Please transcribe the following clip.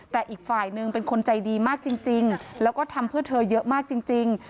แต่อีกฝ่ายหนึ่งเป็นคนใจดีมากจริงแล้วก็ทำเพื่อเธอเยอะมากจริง